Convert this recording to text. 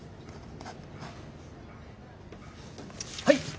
はい。